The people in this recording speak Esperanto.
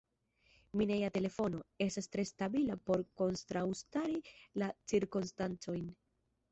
Mineja telefono: estas tre stabila por kontraŭstari la cirkonstancojn.